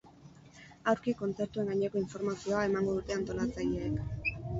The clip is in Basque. Aurki kontzertuen gaineko informazioa emango dute antolatzaileek.